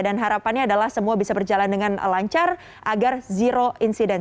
dan harapannya adalah semua bisa berjalan dengan lancar agar zero incident